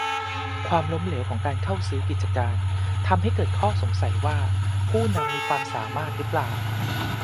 ความล้มเหลวของการเข้าซื้อกิจการ ทำให้เกิดข้อสงสัยว่าผู้นำมีความสามารถรึเปล่า